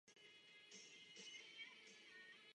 Průběh soutěže ovlivnila probíhající globální ekonomická krize.